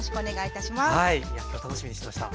いや今日楽しみにしてました。